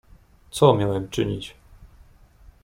"Co miałem czynić?"